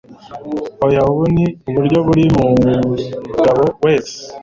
oya ubu ni uburyo buri mugabo wese